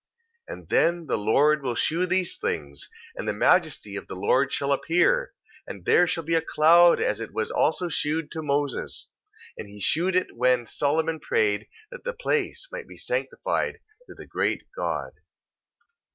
2:8. And then the Lord will shew these things, and the majesty of the Lord shall appear, and there shall be a cloud as it was also shewed to Moses, and he shewed it when Solomon prayed that the place might be sanctified to the great God.